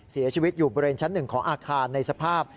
เสียชีวิตอยู่บริเวณชั้น๑ของอาคารในสภาพ